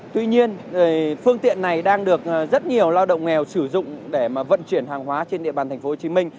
tuy nhiên phương tiện này đang được rất nhiều lao động nghèo sử dụng để vận chuyển hàng hóa trên địa bàn tp hcm